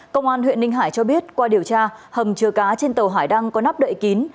công an huyện ninh hải cho biết qua điều tra hầm chứa cá trên tàu hải đăng có nắp đậy kín